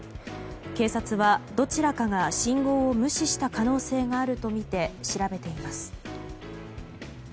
警察はどちらかが信号を無視した可能性があるとみて調べています。